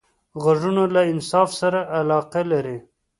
غوږونه له انصاف سره علاقه لري